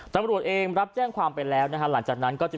ตำรวจเองรับแจ้งความไปแล้วนะฮะหลังจากนั้นก็จึง